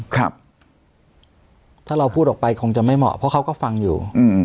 ถ้าเราพูดออกไปคงจะไม่เหมาะเพราะเขาก็ฟังอยู่